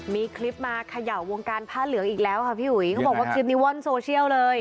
มีคลิปมาขยัววงการผ้าเหลืองอีกแล้วครับพี่หุย